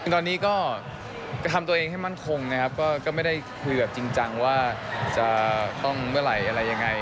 ตอนนี้ก็ทำตัวเองให้มั่นคงนะครับก็ไม่ได้คุยแบบจริงจังว่าจะต้องเมื่อไหร่อะไรยังไง